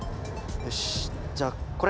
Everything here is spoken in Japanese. よしじゃあこれ。